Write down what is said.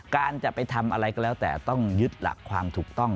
การจะไปทำอะไรก็แล้วแต่ต้องยึดหลักความถูกต้อง